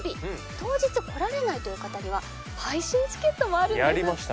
当日来られないという方には配信チケットもあるんですって！